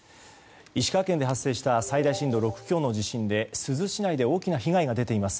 石川県で発生した最大震度６強の地震で珠洲市内で大きな被害が出ています。